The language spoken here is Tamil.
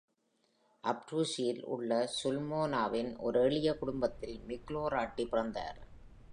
அப்ரூஸியில் உள்ள சுல்மோனாவின் ஒரு எளிய குடும்பத்தில் மிக்லோராட்டி பிறந்தார்.